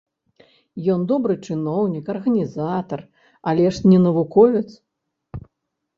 Ён добры чыноўнік, арганізатар, але ж не навуковец.